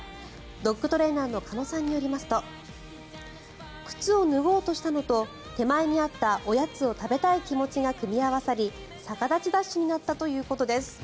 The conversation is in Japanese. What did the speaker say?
ドッグトレーナーの鹿野さんによりますと靴を脱ごうとしたのと手前にあったおやつを食べたい気持ちが組み合わさり、逆立ちダッシュになったということです。